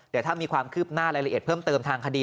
เดี๋ยวถ้ามีความคืบหน้ารายละเอียดเพิ่มเติมทางคดี